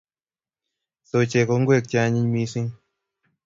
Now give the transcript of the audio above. Sochik ko ngwek che anyiny mising